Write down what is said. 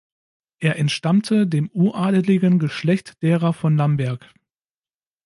Er entstammte dem uradeligen Geschlecht derer Von Lamberg.